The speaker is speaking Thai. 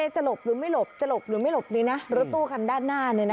จะหลบหรือไม่หลบจะหลบหรือไม่หลบดีนะรถตู้คันด้านหน้า